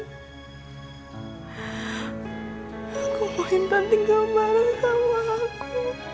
aku mau intan tinggal bareng sama aku